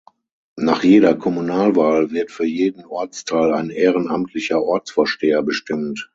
Nach jeder Kommunalwahl wird für jeden Ortsteil ein ehrenamtlicher Ortsvorsteher bestimmt.